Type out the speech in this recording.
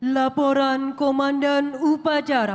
laporan komandan upacara